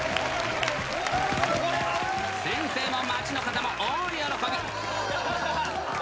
先生も町の方も大喜び。